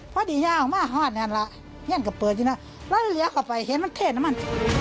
พอดียาวมากห้อนอันละเนี้ยกับเปลือกจุดน่ะแล้วเหลียกออกไปเห็นมันเท่นอันมัน